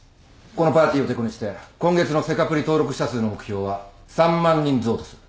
このパーティーをてこにして今月のセカプリ登録者数の目標は３万人増とする。